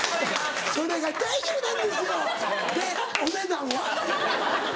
「それが大丈夫なんですよでお値段は？」。